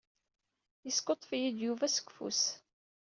Yeskuḍḍef-iyi Yuba seg ufus.